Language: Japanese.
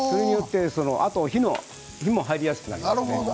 あと火も入りやすくなります。